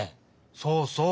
そうそう！